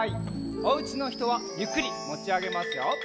おうちのひとはゆっくりもちあげますよ。